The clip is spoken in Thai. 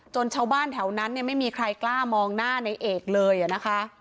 ชาวบ้านแถวนั้นเนี่ยไม่มีใครกล้ามองหน้าในเอกเลยนะคะ